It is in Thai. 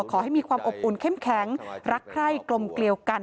ขอให้มีความอบอุ่นเข้มแข็งรักใคร่กลมเกลียวกัน